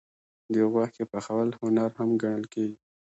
د غوښې پخول هنر هم ګڼل کېږي.